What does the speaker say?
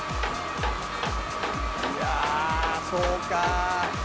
いやそうか。